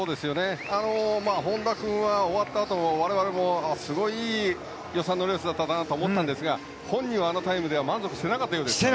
本多君は終わったあと我々もすごい、いい予選のレースだったなと思ったんですけど本人はあのタイムでは満足していなかったようですね。